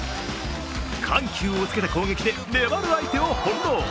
緩急をつけた攻撃で粘る相手を翻弄。